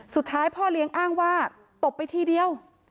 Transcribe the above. สุดท้ายพ่อเลี้ยงอ้างว่าตบไปทีเดียว